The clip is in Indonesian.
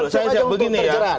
saya siap begini ya